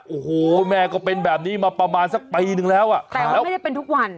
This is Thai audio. โอ้โหแม่ก็เป็นแบบนี้มาประมาณสักปีนึงแล้วอ่ะแต่ว่าไม่ได้เป็นทุกวัน